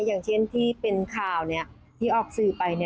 อย่างเช่นที่เป็นข่าวที่ออกสื่อไป